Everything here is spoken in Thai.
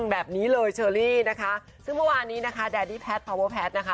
แบบนี้เลยเชอรี่นะคะซึ่งเมื่อวานนี้นะคะแดดี้แพทย์พาวเวอร์แพทย์นะคะ